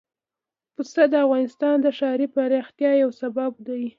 پسه د افغانستان د ښاري پراختیا یو سبب دی.